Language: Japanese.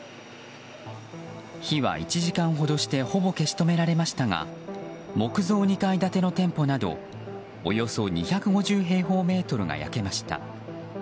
火は１時間ほどしてほぼ消し止められましたが木造２階建ての店舗などおよそ２５０平方メートルが焼けました。